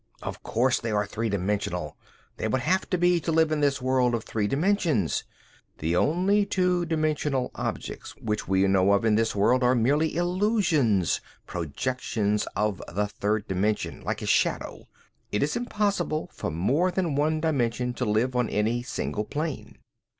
"Of course they are three dimensional. They would have to be to live in this world of three dimensions. The only two dimensional objects which we know of in this world are merely illusions, projections of the third dimension, like a shadow. It is impossible for more than one dimension to live on any single plane.